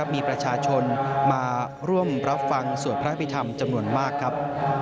มีประชาชนมาร่วมรับฟังสวดพระพิธรรมจำนวนมากครับ